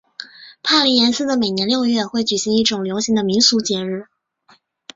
帕林廷斯的每年六月会举行一种流行的民俗节日。